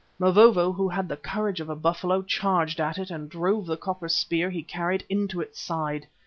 Mavovo, who had the courage of a buffalo, charged at it and drove the copper spear he carried into its side.